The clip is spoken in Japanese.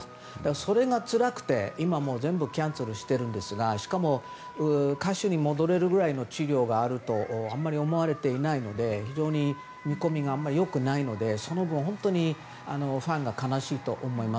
それがつらくて、今、全部キャンセルしているんですがしかも、歌手に戻れるぐらいの治療があるとはあんまり思われていないので非常に見込みが良くないのでその分、本当にファンが悲しいと思います。